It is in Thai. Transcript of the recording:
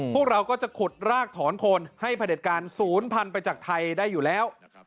พวกเราก็จะขุดรากถอนคนให้ผลิตการศูนย์พันธุ์ไปจากไทยได้อยู่แล้ว